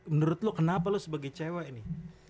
menurut lo kenapa lo sebagai cewe ini